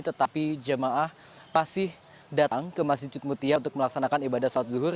tetapi jamaah pasti datang ke masjid cutmutia untuk melaksanakan ibadah sholat zuhur